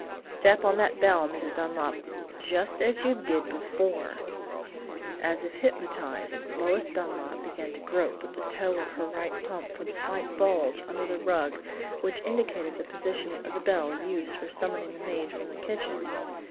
"Step on that bell, Mrs. Dunlap just as you did before!" As if hypnotized, Lois Dunlap began to grope with the toe of her right pump for the slight bulge under the rug which indicated the position of the bell used for summoning the maid from the kitchen.